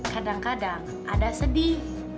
kadang kadang ada sedih